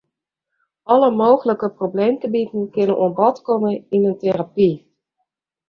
Alle mooglike probleemgebieten kinne oan bod komme yn 'e terapy.